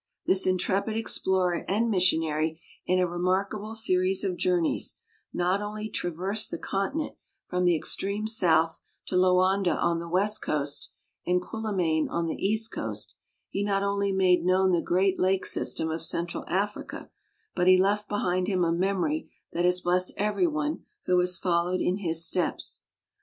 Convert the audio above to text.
This intrepid explorer and missionary in a re markable series of journeys not only trav NORA GORDON 53 ersed the continent from the extreme South to Loanda on the West Coast and Quili mane on the East Coast; he not only made known the great lake system of Central Africa; but he left behind him a memory that has blessed everyone who has followed in his steps.